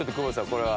これは？